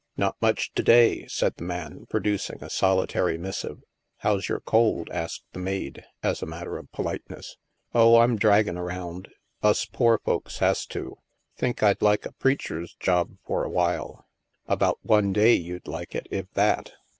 " Not much to day," said the man, producing a solitary missive. " How's your cold?" asked the maid, as a mat ter of politeness. "Oh, I'm draggin' around. Us poor folks has to. Think I'd like a preacher's job for awhile." " About one day you'd like it, if that.